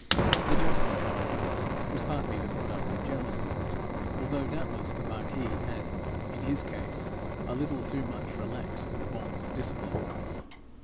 The judgment, however, was partly the product of jealousy, although doubtless the marquis had in his case a little too much relaxed the bonds of discipline.